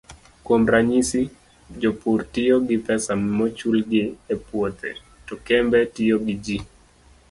Kuom ranyisi, jopur tiyo gi pesa michulogi e puothe, to kembe tiyo gi ji.